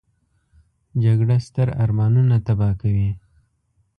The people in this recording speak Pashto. جګړه ستر ارمانونه تباه کوي